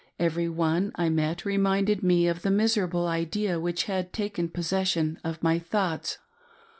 Every one I met re minded me of the miserable idea which had taken possession of my thoughts.